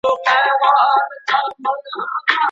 غوره منصب یوازي مستحقو ته نه سي سپارل کېدلای.